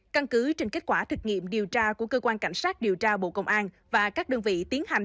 căn cứ trên kết quả thực nghiệm điều tra của cơ quan cảnh sát điều tra bộ công an và các đơn vị tiến hành